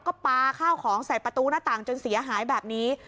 ก็ปลาข้าวของใส่ประตูหน้าต่างจนเสียหายแบบนี้